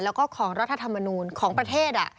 แล้วก็ของรัฐธรรมนูลของประเทศ